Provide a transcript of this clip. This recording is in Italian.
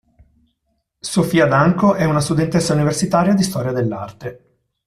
Sophia Danko è una studentessa universitaria di storia dell'arte.